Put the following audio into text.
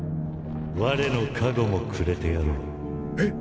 我の加護もくれてやろうえっ？